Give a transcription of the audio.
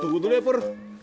tunggu dulu ya pur